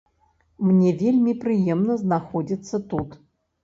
Мне вельмі прыемна знаходзіцца тут.